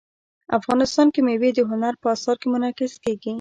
افغانستان کې مېوې د هنر په اثار کې منعکس کېږي.